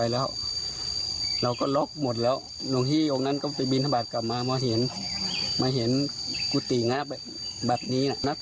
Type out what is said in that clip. แล้วได้ทรัพย์สินอะไรไปไหม